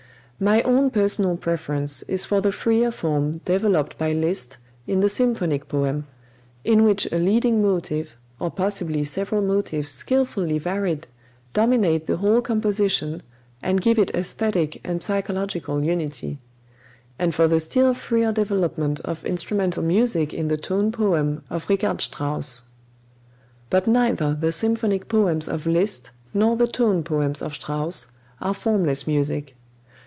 My own personal preference is for the freer form developed by Liszt in the symphonic poem, in which a leading motive, or possibly several motives skillfully varied dominate the whole composition and give it esthetic and psychological unity; and for the still freer development of instrumental music in the tone poem of Richard Strauss. But neither the symphonic poems of Liszt nor the tone poems of Strauss are formless music.